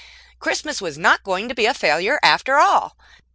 Christmas was not going to be a failure after all.